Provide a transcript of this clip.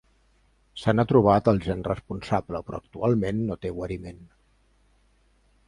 Se n'ha trobat el gen responsable però actualment no té guariment.